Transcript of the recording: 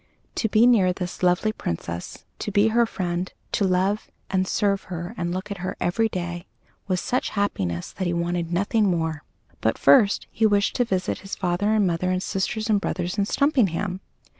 To be near this lovely Princess, to be her friend, to love and serve her and look at her every day, was such happiness that he wanted nothing more. But first he wished to visit his father and mother and sisters and brothers in Stumpinghame!